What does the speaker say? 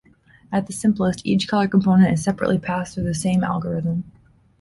At the simplest, each color component is separately passed through the same algorithm.